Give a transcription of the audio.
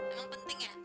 emang penting ya